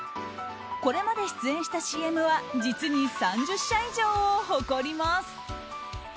これまで出演したＣＭは実に３０社以上を誇ります。